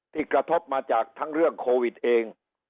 กระทบมาจากทั้งเรื่องโควิดเอง